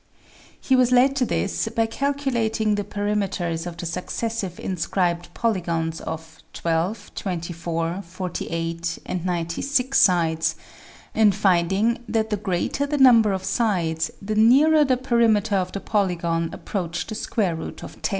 He was led to this by calculating the perim eters of the successive inscribed polygons of 12, 24, 48, and 96 sides, and finding that the greater the number of sides the nearer the perimeter of the polygon approached the square root of 10.